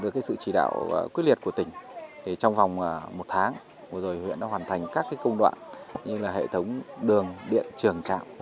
được cái sự chỉ đạo quyết liệt của tỉnh thì trong vòng một tháng vừa rồi huyện đã hoàn thành các cái công đoạn như là hệ thống đường điện trường trạm